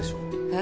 え？